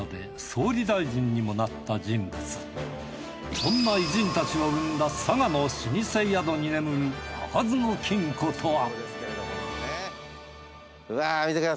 そんな偉人たちを生んだ佐賀の老舗宿に眠る開かずの金庫とは？